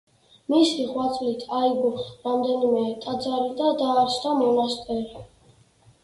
მისი ღვაწლით აიგო რამდენიმე ტაძარი და დაარსდა მონასტერი.